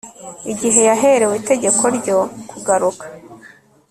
igihe yaherewe itegeko ryo kugaruka